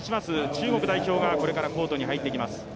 中国代表が、これからコートに入ってきます。